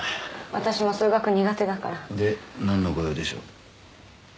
私も数学苦手だからで何のご用でしょう？